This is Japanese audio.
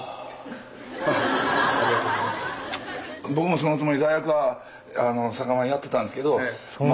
僕もそのつもりで大学は酒米やってたんですけどま